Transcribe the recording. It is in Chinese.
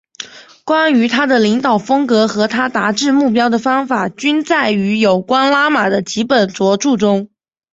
关于他的领导风格和他达至目标的方法均载于有关拉玛的几本着作中。